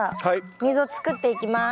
溝作っていきます。